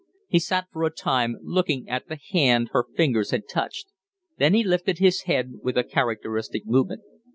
He sat for a time looking at the hand her fingers had touched; then he lifted his head with a characteristic movement.